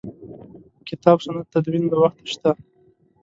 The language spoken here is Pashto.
کتاب سنت تدوین له وخته شته.